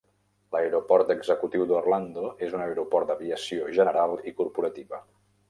L'aeroport executiu d'Orlando és un aeroport d'aviació general i corporativa.